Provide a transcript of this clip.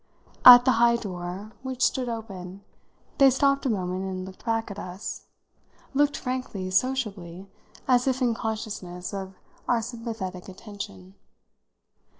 At the high door, which stood open, they stopped a moment and looked back at us looked frankly, sociably, as if in consciousness of our sympathetic attention.